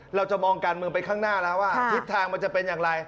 เราจะมองการเมืองไปข้างหน้าแล้วว่าทิศทางมันจะเป็นอย่างไร